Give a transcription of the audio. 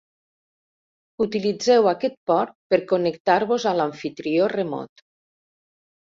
Utilitzeu aquest port per connectar-vos a l'amfitrió remot.